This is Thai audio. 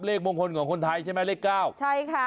เลขมงคลของคนไทยใช่ไหมเลขเก้าใช่ค่ะ